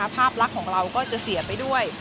ภาพลักษณ์ของเราก็จะเสียไปด้วย